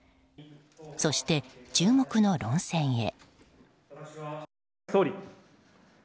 そして、注目の論戦へ。